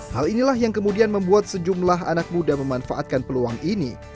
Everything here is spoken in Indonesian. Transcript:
hal inilah yang kemudian membuat sejumlah anak muda memanfaatkan peluang ini